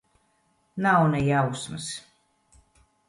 Nav ne jausmas.